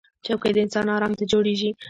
چوکۍ د انسان ارام ته جوړېږي